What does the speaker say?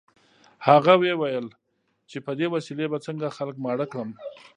هغه ویې ویل چې په دې وسیلې به څنګه خلک ماړه کړم